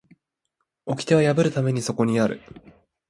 掟は破るためにそこにある